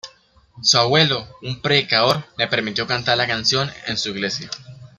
Su abuelo, un predicador, le permitió cantar la canción en su iglesia.